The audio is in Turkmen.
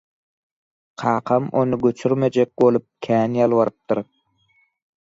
Kakam ony göçürmejek bolup kän ýalbarypdyr